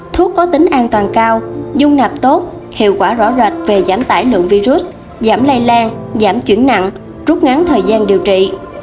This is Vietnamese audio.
thuốc có tính an toàn cao dung nạp tốt hiệu quả rõ rệt về giảm tải lượng virus giảm lây lan giảm chuyển nặng rút ngắn thời gian điều trị